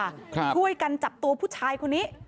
ช่วยกันจับตัวผู้ชายคนนี้